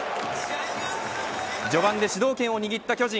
序盤で主導権を握った巨人。